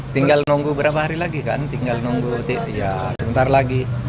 tinggal nunggu berapa hari lagi kan tinggal nunggu ya sebentar lagi